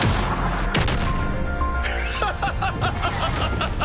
ハハハハ！